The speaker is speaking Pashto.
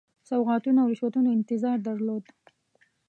سوغاتونو او رشوتونو انتظار درلود.